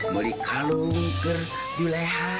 beli kalung ke juleha